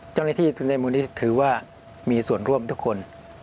เจ้าหน้าที่ถึงในมูลนิธิถือว่ามีส่วนร่วมทุกคน